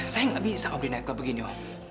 saya nggak bisa om di naik teluk begini om